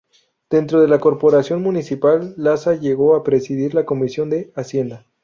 Dentro de la corporación municipal Lasa llegó a presidir la comisión de Hacienda.